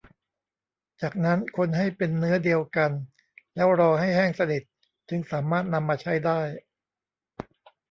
จากนั้นคนให้เป็นเนื้อเดียวกันแล้วรอให้แห้งสนิทจึงสามารถนำมาใช้ได้